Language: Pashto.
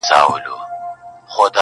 ما په اول ځل هم چنداني گټه ونه کړه~